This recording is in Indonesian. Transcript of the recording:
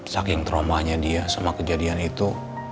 saking trauma nya dia sama kejadian itu